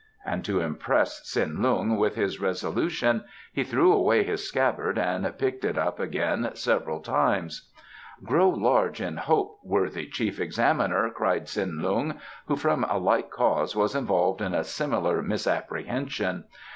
And to impress Tsin Lung with his resolution he threw away his scabbard and picked it up again several times. "Grow large in hope, worthy Chief Examiner," cried Tsin Lung, who from a like cause was involved in a similar misapprehension.